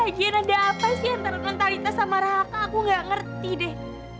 lagian ada apa sih antara nontalita sama raka aku gak ngerti deh